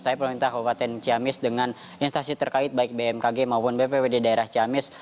saya pemerintah kabupaten ciamis dengan instasi terkait baik bmkg maupun bpwd daerah ciamis